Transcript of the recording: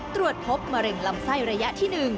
ตรวจพบมะเร็งลำไส้ระยะที่๑